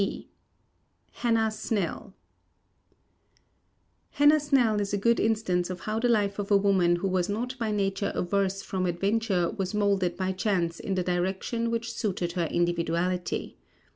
B. HANNAH SNELL Hannah Snell is a good instance of how the life of a woman who was not by nature averse from adventure was moulded by chance in the direction which suited her individuality.